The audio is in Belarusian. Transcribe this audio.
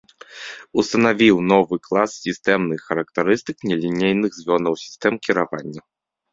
Устанавіў новы клас сістэмных характарыстык нелінейных звёнаў сістэм кіравання.